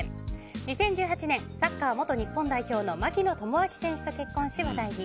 ２０１８年サッカー元日本代表の槙野智章選手と結婚し話題に。